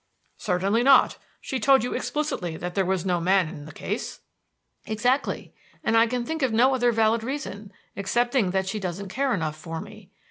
"Certainly not. She told you explicitly that there was no man in the case." "Exactly. And I can think of no other valid reason, excepting that she doesn't care enough for me.